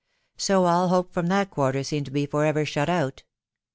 So all hope from that quarter seemed to be for ever shut out